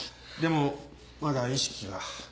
でもまだ意識が。